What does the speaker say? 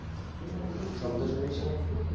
শব্দ শুনিস নি?